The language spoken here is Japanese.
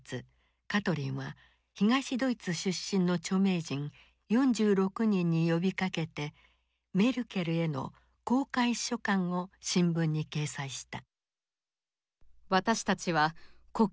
カトリンは東ドイツ出身の著名人４６人に呼びかけてメルケルへの公開書簡を新聞に掲載した。